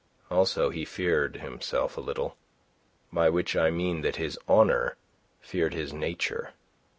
Also he feared himself a little; by which I mean that his honour feared his nature.